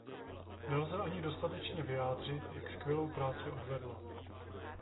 Nelze ani dostatečně vyjádřit, jak skvělou práci odvedla.